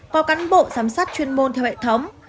có cán bộ giám sát chuyên môn theo hệ thống